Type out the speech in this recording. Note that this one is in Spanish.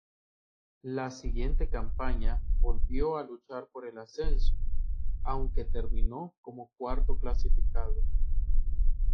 La siguiente campaña volvió a luchar por el ascenso, aunque terminó como cuarto clasificado.